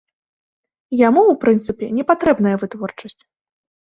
Яму, у прынцыпе, не патрэбная вытворчасць.